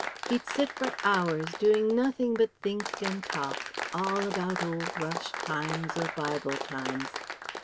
He'd sit for hours doing nothing but think and talk, all about old Welsh times, or Bible times.